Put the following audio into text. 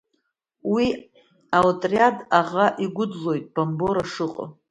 Уи аотриад аӷа игәыдлоит Бамбора шыҟоу.